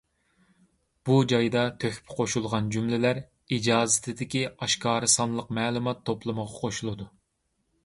بۇ جايدا تۆھپە قوشۇلغان جۈملىلەر ئىجازىتىدىكى ئاشكارا سانلىق مەلۇمات توپلىمىغا قوشۇلىدۇ.